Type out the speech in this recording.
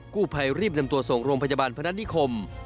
กู้ภัยรีบนำตัวส่งโรงพยาบาลพนัฐนิคม